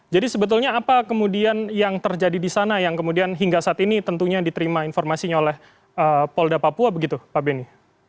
jadi sebetulnya apa kemudian yang terjadi di sana yang kemudian hingga saat ini tentunya diterima informasinya oleh polda papua begitu pak beni